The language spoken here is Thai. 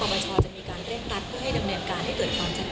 ประชาจะมีการเร่งรัดเพื่อให้ดำเนินการให้เกิดความชัด